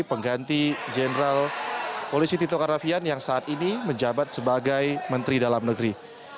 pengganti jenderal polisi tito karnavian yang saat ini menjabat sebagai menteri dalam negeri